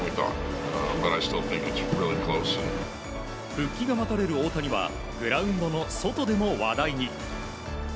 復帰が待たれる大谷はグラウンドの外でも話題に。